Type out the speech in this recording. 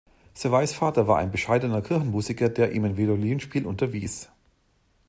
Servais Vater war ein bescheidener Kirchenmusiker, der ihn im Violinspiel unterwies.